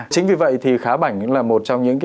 chính vì vậy thì khá bảnh là một trong những cái